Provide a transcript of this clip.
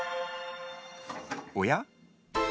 おや？